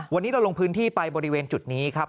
วันนี้เราลงพื้นที่ไปบริเวณจุดนี้ครับ